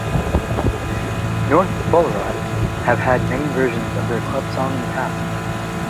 North Ballarat have had many versions of their club song in the past.